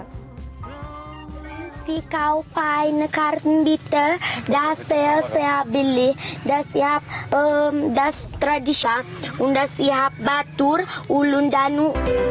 udah siap batur ulu danu